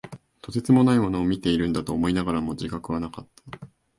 とてつもないものを見ているんだと思いながらも、自覚はなかった。